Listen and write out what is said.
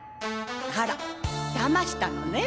あら騙したのね？